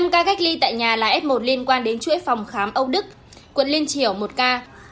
năm ca cách ly tại nhà là f một liên quan đến chuỗi phòng khám âu đức quận liên triều một ca